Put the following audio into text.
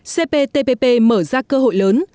cptpp mở ra cơ hội lớn